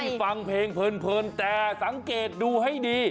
ฟังเพลงเพลินแต่สังเกตดูให้ดี